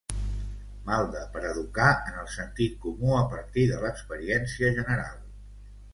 Malde per educar en el sentit comú a partir de l'experiència general